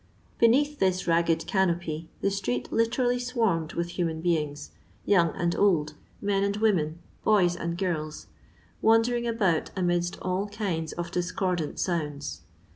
Beneath this ra^ed canopy, the street literally swarmed vrith human beings — young and old, men and women, boys and girls, vrandering about amidst all kinds of discordant sounds.